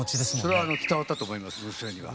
それは伝わったと思います娘には。